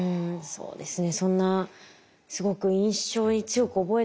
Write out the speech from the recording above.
そうですね。